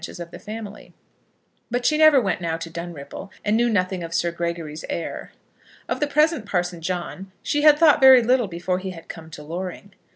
She respected Sir Gregory as the head of the family, but she never went now to Dunripple, and knew nothing of Sir Gregory's heir. Of the present Parson John she had thought very little before he had come to Loring.